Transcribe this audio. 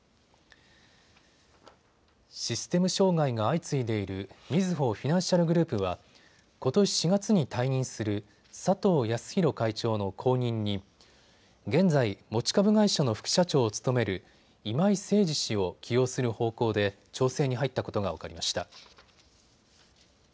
システム障害が相次いでいるみずほフィナンシャルグループはことし４月に退任する佐藤康博会長の後任に現在、持ち株会社の副社長を務める今井誠司氏を起用する方向で調整に入ったことが分かりました。